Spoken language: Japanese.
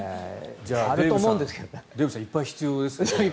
じゃあデーブさんはいっぱい必要ですね。